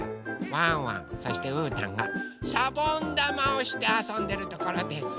ワンワンそしてうーたんがしゃぼんだまをしてあそんでるところです。